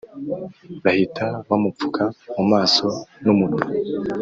bahita bamupfuka mumaso n’umunwa